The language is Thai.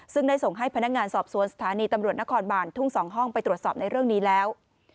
ซึ่งได้ส่งให้พนักงานสอบสวนสถานีตำรวจนครบานทุ่ง๒ห้องไปตรวจสอบในเรื่องนี้แล้ว